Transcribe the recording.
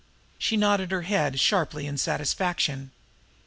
She nodded her head sharply in satisfaction.